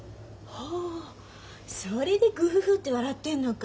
ほうそれでグフフって笑ってんのか。